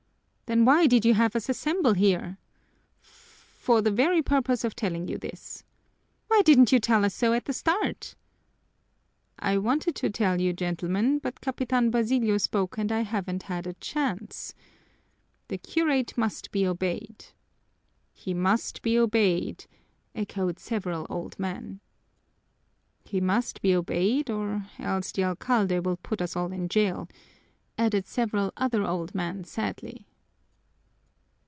"Then why did you have us assemble here?" "F for the very purpose of telling you this!" "Why didn't you tell us so at the start?" "I wanted to tell you, gentlemen, but Capitan Basilio spoke and I haven't had a chance. The curate must be obeyed." "He must be obeyed," echoed several old men. "He must be obeyed or else the alcalde will put us all in jail," added several other old men sadly.